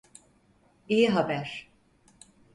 İyi haber.